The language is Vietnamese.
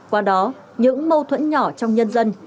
qua đó những mâu thuẫn nhỏ trong nhân dân